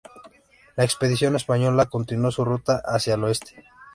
La expedición española continuó su ruta hacia el Oeste.